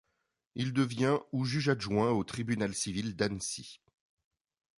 Il devient ou juge-adjoint au tribunal civil d'Annecy.